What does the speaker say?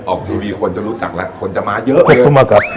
ออกทีวีคนจะรู้จักแล้วคนจะมาเยอะเออ